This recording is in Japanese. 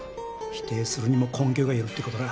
否定するにも根拠がいるって事だ。